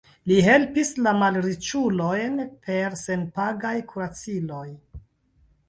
Li helpis la malriĉulojn per senpagaj kuraciloj.